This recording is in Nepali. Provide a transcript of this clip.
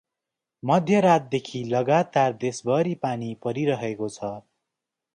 मध्य रात देखि लगातार देशभरि पानी परिरहेको छ ।